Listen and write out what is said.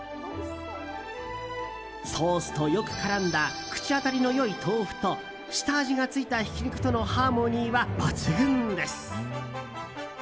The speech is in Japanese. ソースとよく絡んだ口当たりの良い豆腐と下味がついたひき肉とのハーモニーは抜群です。